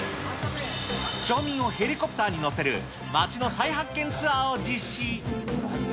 町民をヘリコプターに乗せる町の再発見ツアーを実施。